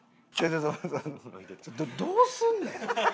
どうすんねん？